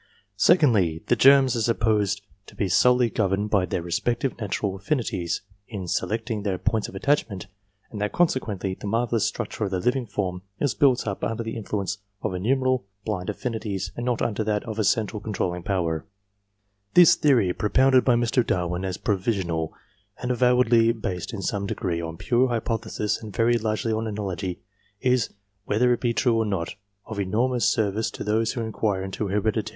Secondly, the germs are supposed to be solely governed by their respective natural affinities, in selecting their points of attachment ; and that, consequently, the marvellous structure of the living form is built up under the influence of innumerable blind affinities, and not under that of a central controlling power. 350 GENERAL CONSIDERATIONS This theory, propounded by Mr. Darwin as " provisional," and avowedly based, in some degree, on pure hypothesis and very largely on analogy, is whether it be true or not of i enormous service to those who inquire into heredity.